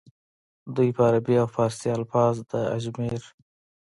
دوي به عربي او فارسي الفاظ د اجمېر